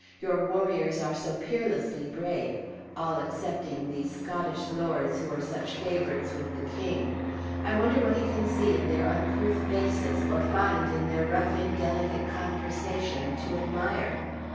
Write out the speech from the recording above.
Your warriors are so peerlessly brave all, excepting these Scottish lords who are such favorites with the king! I wonder what he can see in their uncouth faces, or find in their rough indelicate conversation to admire.